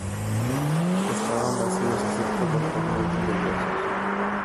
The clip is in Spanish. Estaban vacíos excepto por fragmentos de huesos.